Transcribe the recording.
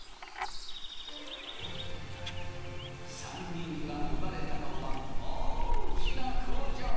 ３人が生まれたのは大きな工場。